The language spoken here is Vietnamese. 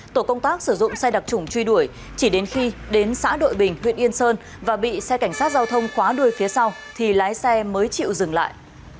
tổ công tác sử dụng xe đặc trùng truy đuổi chỉ đến khi đến xã đội bình huyện yên sơn và bị xe cảnh sát giao thông khóa đuôi phía sau thì lái xe mới chịu dừng lại